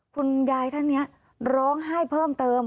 คุณยายท่านนี้ร้องไห้เพิ่มเติม